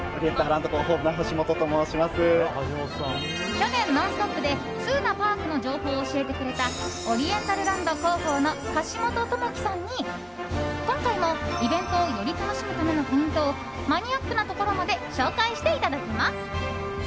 去年、「ノンストップ！」でツウなパークの情報を教えてくれたオリエンタルランド広報の橋本朋樹さんに今回もイベントをより楽しむためのポイントをマニアックなところまで紹介していただきます。